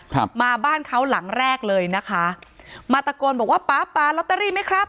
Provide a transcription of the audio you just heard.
ครับมาบ้านเขาหลังแรกเลยนะคะมาตะโกนบอกว่าป๊าป๊าลอตเตอรี่ไหมครับ